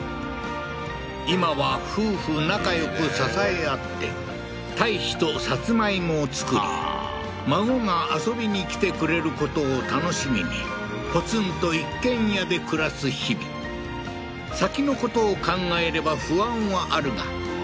今は夫婦仲よく支え合って堆肥とさつまいもを作り孫が遊びにきてくれることを楽しみにポツンと一軒家で暮らす日々先のことを考えれば不安はあるがまずは現状維持